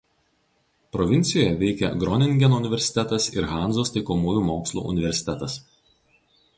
Provincijoje veikia Groningeno universitetas ir Hanzos taikomųjų mokslų universitetas.